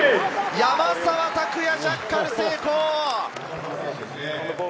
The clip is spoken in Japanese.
山沢拓也、ジャッカル成功！